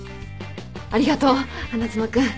ありがとう花妻君。